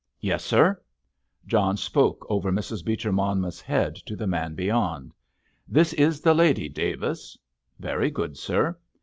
"Yes, sir!" John spoke over Mrs. Beecher Monmouth's head to the man beyond. "This is the lady, Davis!" "Very good, sir!"